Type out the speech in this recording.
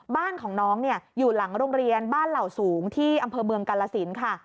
บ้านของน้องอยู่หลังโรงเรียนบ้านเหล่าสูงที่อำเภอเมืองกาลสินค่ะ